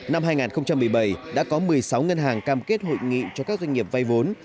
năm hai nghìn một mươi bảy đã có một mươi sáu ngân hàng cam kết hội nghị cho các doanh nghiệp vay vốn